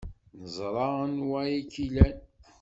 Neẓra anwa ay k-ilan.